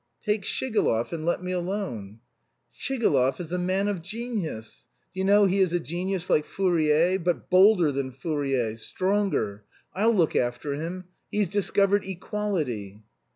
"Take Shigalov, and let me alone...." "Shigalov is a man of genius! Do you know he is a genius like Fourier, but bolder than Fourier; stronger. I'll look after him. He's discovered 'equality'!"